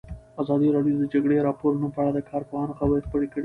ازادي راډیو د د جګړې راپورونه په اړه د کارپوهانو خبرې خپرې کړي.